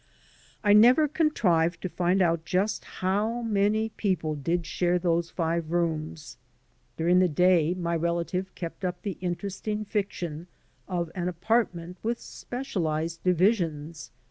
I never contrived to find out just how many people 6 71 AN AMERICAN IN THE MAKING did share those five rooms. During the day my relative kept up the interesting fiction of an apartment with specialized divisions.